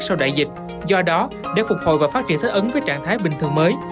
sau đại dịch do đó để phục hồi và phát triển thích ứng với trạng thái bình thường mới